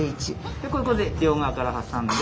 でここで両側からはさんで。